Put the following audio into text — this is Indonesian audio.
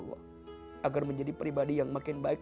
agar menjadi pribadi yang makin baik